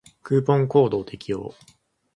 クーポンコードを適用